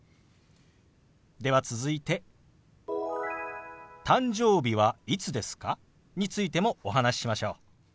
では続いて「誕生日はいつですか？」についてもお話ししましょう。